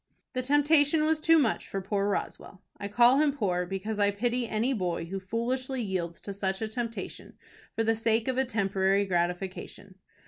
The temptation was too much for poor Roswell I call him poor, because I pity any boy who foolishly yields to such a temptation for the sake of a temporary gratification.